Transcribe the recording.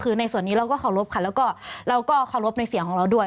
คือในส่วนนี้เราก็เคารพค่ะแล้วก็เราก็เคารพในเสียงของเราด้วย